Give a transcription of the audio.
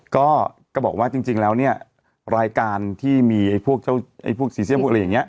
ก็บอกว่าจริงแล้วเนี่ยรายการที่มีพวกเจ้าพวกซีเซียมพวกอะไรอย่างนี้